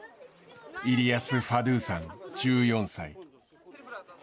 イリヤス・ファドゥーさん１４歳。